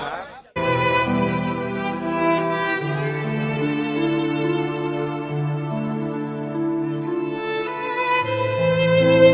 เพราะฉะนั้นเราก็ให้ความเป็นธรรมทุกคนอยู่แล้วนะครับ